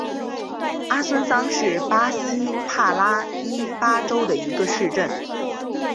阿孙桑是巴西帕拉伊巴州的一个市镇。